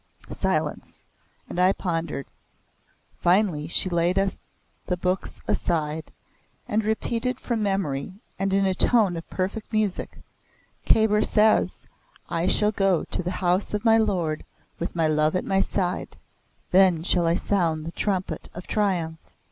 Silence and I pondered. Finally she laid the book aside, and repeated from memory and in a tone of perfect music; "Kabir says, 'I shall go to the House of my Lord with my Love at my side; then shall I sound the trumpet of triumph.